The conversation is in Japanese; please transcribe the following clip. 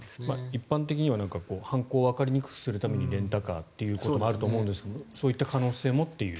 一般的には犯行をわかりにくくするためにレンタカーということもあると思うんですがそういった可能性もという。